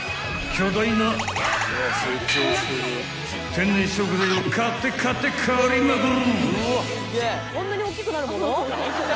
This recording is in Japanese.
［天然食材を狩って狩って狩りまくる！］